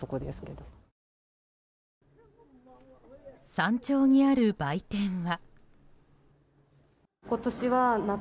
山頂にある売店は。